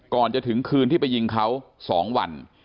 ก่อนจะถึงคืนที่ไปยิงเขา๒วัน